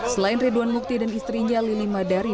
selain ridwan mukti dan istrinya lili madari